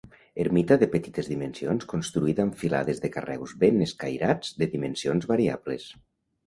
Ermita de petites dimensions construïda amb filades de carreus ben escairats de dimensions variables.